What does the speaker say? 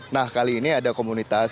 nah kali ini ada komunitas